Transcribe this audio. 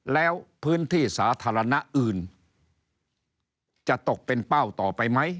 แล้วพื้นที่สาธารณะอื่นจะตกเป็นเป้าต่อไปไหม